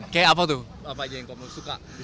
kayak apa tuh bapak aja yang kamu suka